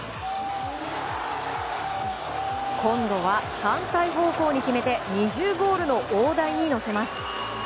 今度は反対方向に決めて２０ゴールの大台に乗せます。